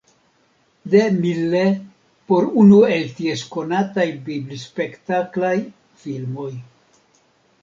DeMille por unu el ties konataj biblispektaklaj filmoj.